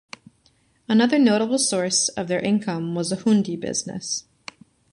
Another notable source of their income was the Hoondi business.